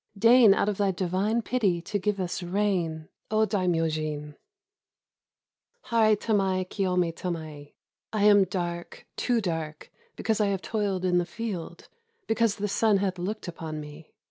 Deign out of thy divine pity to give us rain, O Daimyojin!" — "Harai tamai kiyome tamael ... I am dark, too dark, because I have toiled in the field, because the sun hath looked upon me.